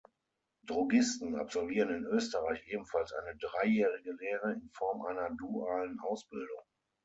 Drogisten absolvieren in Österreich ebenfalls eine dreijährige Lehre in Form einer dualen Ausbildung.